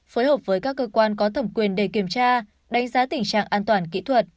phối hợp với các cơ quan có thẩm quyền để kiểm tra đánh giá tình trạng an toàn kỹ thuật